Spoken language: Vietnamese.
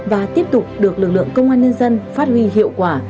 và tiếp tục được lực lượng công an nhân dân phát huy hiệu quả